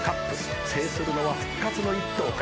制するのは復活の１頭か。